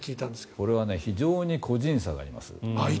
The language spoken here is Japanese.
これは非常に個人差があります。